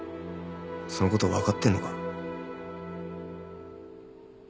そのことを分かってんのか？